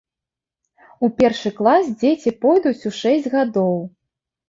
У першы клас дзеці пойдуць у шэсць гадоў.